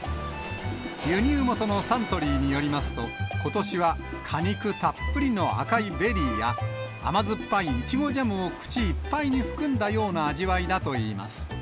輸入元のサントリーによりますと、ことしは果肉たっぷりの赤いベリーや、甘酸っぱいいちごジャムを口いっぱいに含んだような味わいだといいます。